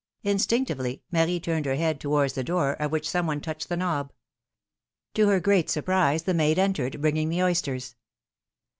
Instinctively, Marie turned her head to wards the door, of which some one touched the knob. To her great surprise, the maid entered bringing the oysters.